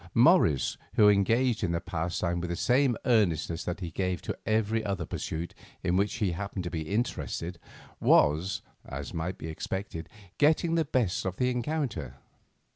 Morris, who engaged in the pastime with the same earnestness that he gave to every other pursuit in which he happened to be interested, was, as might be expected, getting the best of the encounter.